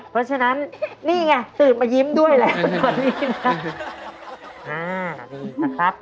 เพราะฉะนั้นนี่ไงตื่นมายิ้มด้วยแหละ